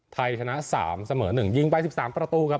ไทยชนะ๓เสมอ๑ยิงไป๑๓ประตูครับ